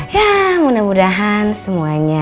ya mudah mudahan semuanya